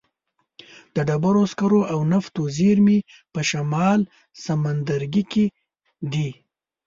د ډبرو سکرو او نفتو زیرمې په شمال سمندرګي کې دي.